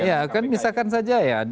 ya kan misalkan saja ya